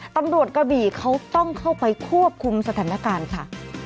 กระบี่เขาต้องเข้าไปควบคุมสถานการณ์ค่ะ